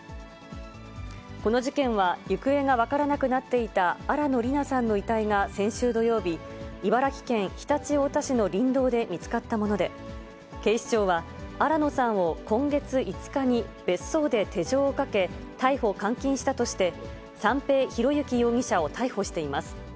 この事件は、行方が分からなくなっていた新野りなさんの遺体が先週土曜日、茨城県常陸太田市の林道で見つかったもので、警視庁は、新野さんを今月５日に別荘で手錠をかけ、逮捕監禁したとして、三瓶博幸容疑者を逮捕しています。